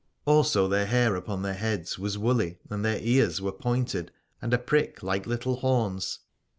Also their hair upon their heads was woolly and their ears were pointed and a prick like little horns.